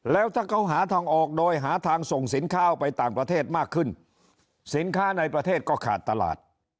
แล้วถ้าเขาหาทางออกโดยหาทางส่งสินค้าไปต่างประเทศมากขึ้นสินค้าในประเทศก็ขาดตลาด